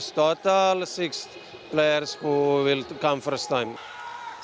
delapan belas pemain total enam pemain yang akan datang pertama